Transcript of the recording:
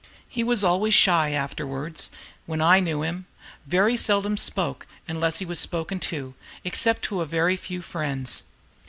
He was always shy afterwards, when I knew him, very seldom spoke, unless he was spoken to, except to a very few friends.